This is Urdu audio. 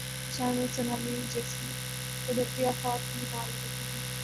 فشانوں اور سونامی جیسی قدرتی آفات کا مطالعہ کرتا ہی۔